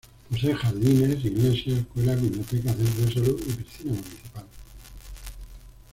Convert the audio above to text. Posee jardines, iglesia, escuela, biblioteca, centro de salud y piscina municipal.